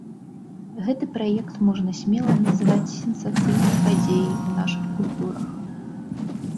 Гэты праект можна смела называць сенсацыйнай падзеяй у нашых культурах.